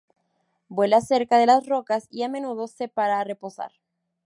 Vuela cerca de las rocas y a menudo se para a reposar.